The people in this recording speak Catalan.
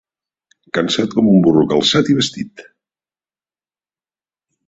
Cansat com un burro calçat i vestit.